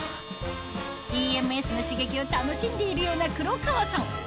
ＥＭＳの刺激を楽しんでいるような黒川さん